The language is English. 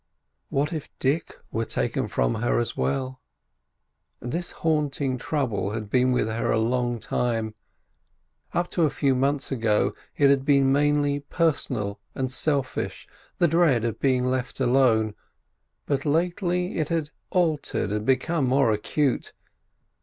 What if Dick were taken from her as well? This haunting trouble had been with her a long time; up to a few months ago it had been mainly personal and selfish—the dread of being left alone. But lately it had altered and become more acute.